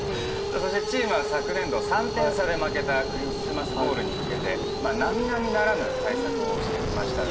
そしてチームは昨年度３点差で負けたクリスマスボウルに向けて並々ならぬ対策をしてきましたが。